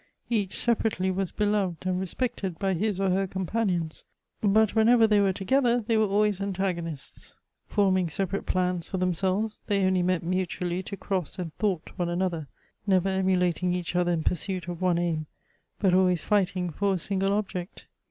Each separately was beloved and respected by his or her com panions, but whenever they were together they were alwiiys antagonists. Forming separate plans for them selves, they only met mutually to cross and thwart one another; never emulating each other in pursuit of one aim, but alwnys fighting for a single object.